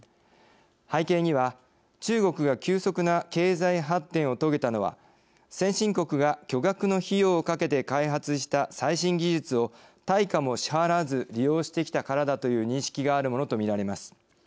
背景には、中国が急速な経済発展を遂げたのは先進国が巨額の費用をかけて開発した最新技術を対価も支払わず利用してきたからだという認識があるものとみられます。